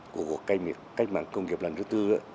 của cuộc cách mạng công nghiệp lần thứ tư